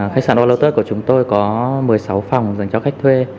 khách sạn olo tết của chúng tôi có một mươi sáu phòng dành cho khách thuê